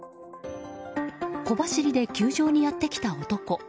小走りで球場にやってきた男。